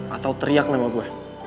atau teriak nama gue